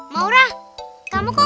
maura kamu kok tidak kapan kapan